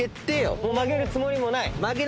曲げるつもりもない？